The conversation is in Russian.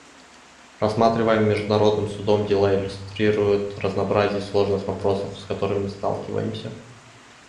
Рассматриваемые Международным Судом дела иллюстрируют разнообразие и сложность вопросов, с которыми мы сталкиваемся.